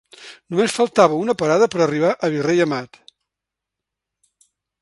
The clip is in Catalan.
Només faltava una parada per arribar a Virrei Amat.